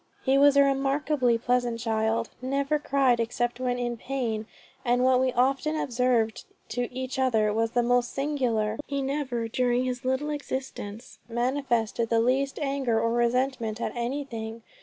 "He was a remarkably pleasant child never cried except when in pain, and what we often observed to each other was the most singular, he never during his little existence manifested the least anger or resentment at anything.